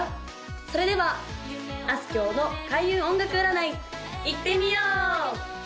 それではあすきょうの開運音楽占いいってみよう！